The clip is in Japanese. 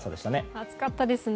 暑かったですね。